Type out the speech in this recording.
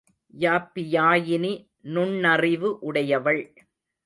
யாப்பியாயினி நுண்ணறிவு உடையவள்.